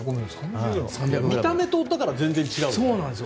見た目と音から全然違うよね。